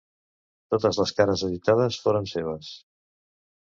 Totes les cares editades foren seves.